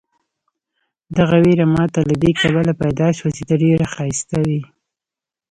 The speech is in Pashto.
دغه وېره ماته له دې کبله پیدا شوه چې ته ډېر ښایسته وې.